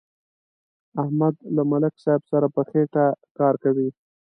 احمد له ملک صاحب سره په خېټه کار کوي.